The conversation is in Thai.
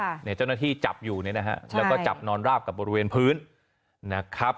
เจ้าหน้าที่จับอยู่เนี่ยนะฮะแล้วก็จับนอนราบกับบริเวณพื้นนะครับ